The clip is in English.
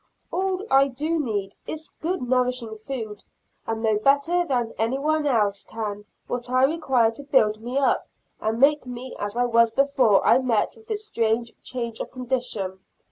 All I do need is good nourishing food, and I know better than any one else can what I require to build me up and make me as I was before I met with this strange change of condition.